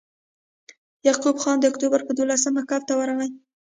یعقوب خان د اکټوبر پر دولسمه کمپ ته ورغی.